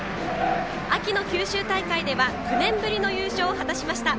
秋の九州大会では９年ぶりの優勝を果たしました。